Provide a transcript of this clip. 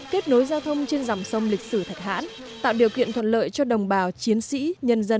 kết nối giao thông trên dòng sông lịch sử thạch hãn tạo điều kiện thuận lợi cho đồng bào chiến sĩ nhân dân